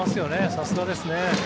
さすがですよね。